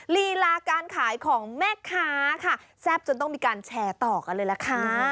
ลีลาการขายของแม่ค้าค่ะแซ่บจนต้องมีการแชร์ต่อกันเลยล่ะค่ะ